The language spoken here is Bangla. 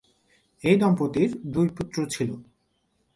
এই দম্পতির দুই পুত্র ছিল।